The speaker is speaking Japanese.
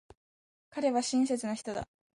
彼は親切な人だ。